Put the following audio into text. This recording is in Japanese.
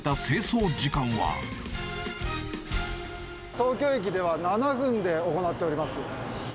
東京駅では７分で行っております。